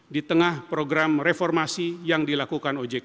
di tengah program reformasi yang dilakukan ojk